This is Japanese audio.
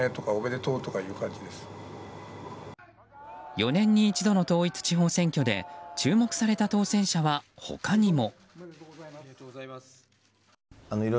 ４年に一度の統一地方選挙で注目された当選者は他にも。